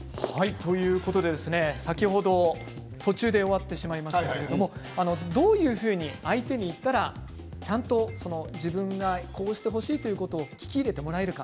先ほど途中で終わってしまいましたけれどどういうふうに相手に言ったら自分がこうしてほしいということを聞き入れてもらえるか